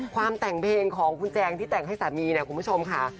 ความแต่งเพลงของคุณแจงที่แต่งให้สามีเนี่ยคุณผู้ชมค่ะ